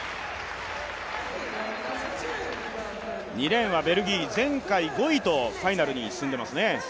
２レーンはベルギー、前回５位とファイナルに進んでいますね。